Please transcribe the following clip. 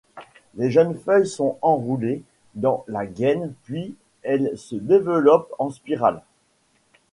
Les jeunes feuilles sont enroulées dans la gaine puis elles se développent en spirales.